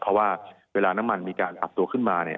เพราะว่าเวลาน้ำมันมีการปรับตัวขึ้นมา